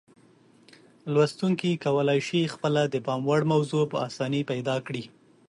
لوستونکي کولای شي خپله د پام وړ موضوع په اسانۍ پیدا کړي.